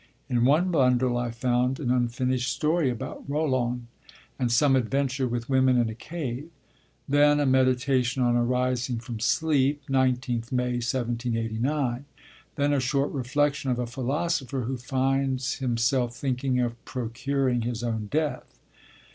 In one bundle I found an unfinished story about Roland, and some adventure with women in a cave; then a 'Meditation on arising from sleep, 19th May 1789'; then a 'Short Reflection of a Philosopher who finds himself thinking of procuring his own death.